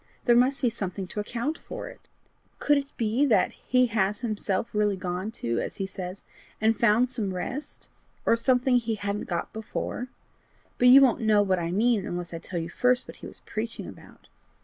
There must be something to account for it. Could it be that he has himself really gone to as he says and found rest or something he hadn't got before? But you won't know what I mean unless I tell you first what he was preaching about.